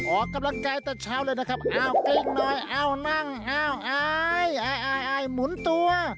ออกกำลังกายแต่เช้าเลยนะครับเอากลิ้งน้อยเอานั่งเอาไอหมุนตัว